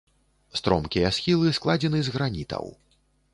Стромкія схілы складзены з гранітаў.